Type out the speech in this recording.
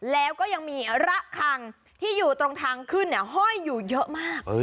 แล้วก็ยังมีระคังที่อยู่ตรงทางขึ้นห้อยอยู่เยอะมาก